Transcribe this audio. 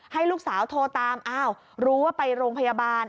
ให้ลูกสาวโทรตามอ้าวรู้ว่าไปโรงพยาบาล